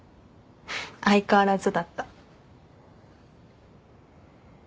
相変わらずだった。